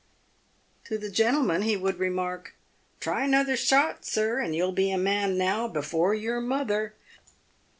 To the gentlemen he would remark, " Try another shot, sir, and you'll be a man now before your mother."